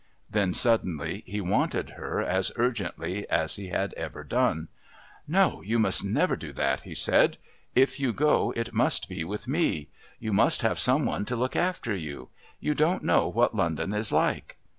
Then suddenly he wanted her as urgently as he had ever done. "No, you must never do that," he said. "If you go it must be with me. You must have some one to look after you. You don't know what London's like."